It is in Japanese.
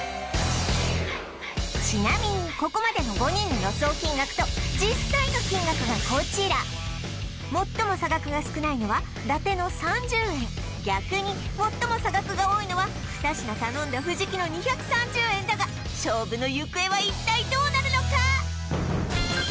ちなみにここまでの５人の予想金額と実際の金額がこちら最も差額が少ないのは伊達の３０円逆に最も差額が多いのは２品頼んだ藤木の２３０円だが勝負の行方は一体どうなるのか？